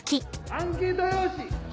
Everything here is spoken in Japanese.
アンケート用紙？